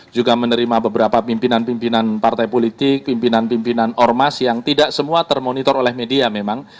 juga menerima beberapa pimpinan pimpinan partai politik pimpinan pimpinan ormas yang tidak semua termonitor oleh media memang